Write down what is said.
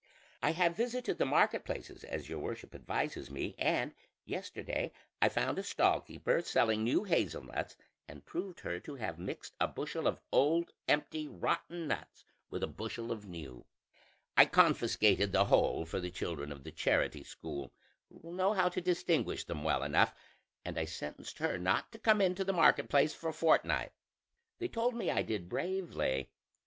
"I have visited the market places, as your worship advises me, and yesterday I found a stall keeper selling new hazel nuts, and proved her to have mixed a bushel of old empty rotten nuts with a bushel of new; I confiscated the whole for the children of the charity school, who will know how to distinguish them well enough, and I sentenced her not to come into the market place for a fortnight: they told me I did bravely.